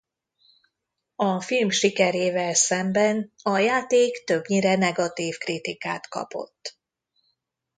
A film sikerével szemben a játék többnyire negatív kritikát kapott.